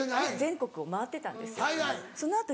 全国を回ってたんですその後